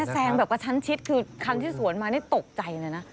แซงแบบกระชั้นชิดคือคันที่สวนมานี่ตกใจเลยนะ